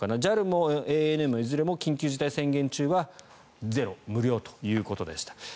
ＪＡＬもＡＮＡもいずれも緊急事態宣言中はゼロということでした。